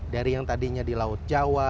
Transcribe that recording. dari yang tadinya di laut jawa